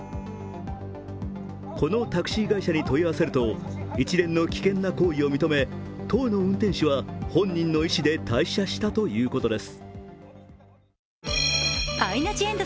このタクシー会社に問い合わせると一連の危険な行為を認め当の運転手は本人の意思で退社したてということです。